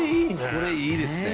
これいいですね。